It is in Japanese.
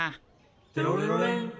「テロレロレン」